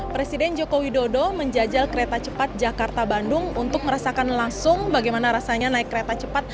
presiden joko widodo menjajal kereta cepat jakarta bandung untuk merasakan langsung bagaimana rasanya naik kereta cepat